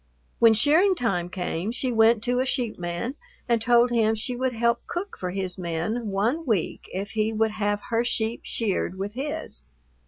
When shearing time came she went to a sheep man and told him she would help cook for his men one week if he would have her sheep sheared with his.